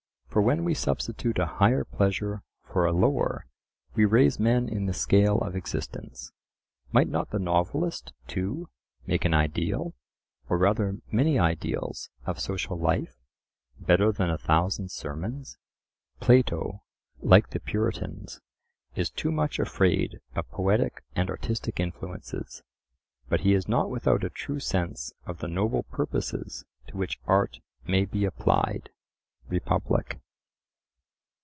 For when we substitute a higher pleasure for a lower we raise men in the scale of existence. Might not the novelist, too, make an ideal, or rather many ideals of social life, better than a thousand sermons? Plato, like the Puritans, is too much afraid of poetic and artistic influences. But he is not without a true sense of the noble purposes to which art may be applied (Republic).